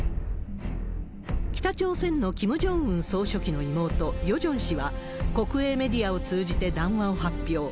北朝鮮のキム・ジョンウン総書記の妹、ヨジョン氏は国営メディアを通じて談話を発表。